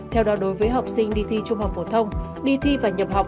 theo đó đối với học sinh đi thi trung học phổ thông đi thi và nhập học